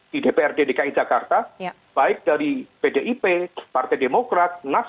di dprd dki jakarta baik dari pdip partai demokrat